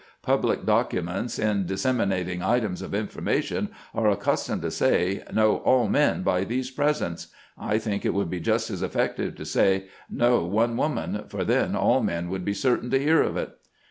" Public documents, in dis seminating items of information, are accustomed to say, ' Know all men by these presents.' I think it would be just as effective to say, ' Know one woman,' for then all men would be certain to hear of it."